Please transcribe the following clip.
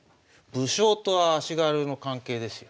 武将と足軽の関係ですよ。